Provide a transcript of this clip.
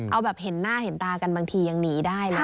เอาแบบเห็นหน้าเห็นตากันบางทียังหนีได้เลย